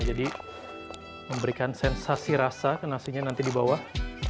jadi memberikan sensasi rasa ke nasinya nanti di bawah